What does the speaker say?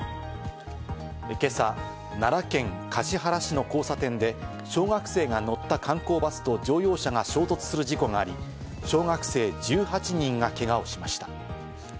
今朝、奈良県橿原市の交差点で小学生が乗った観光バスと乗用車が衝突する事故があり、小学生１８人がけがをしました。